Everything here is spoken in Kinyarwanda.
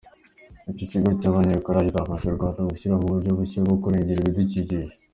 Iki kigo cy’Abanyakoreya kizafasha u Rwanda gushyiraho uburyo bushya bwo kurengera ibidukikije.